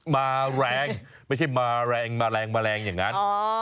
มาแรงไม่ใช่มาแรงมาแรงแมลงอย่างนั้น